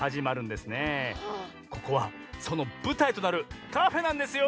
ここはそのぶたいとなるカフェなんですよ！